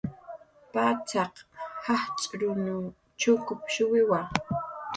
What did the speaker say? Patzaq jajch'urun chukushuwiwa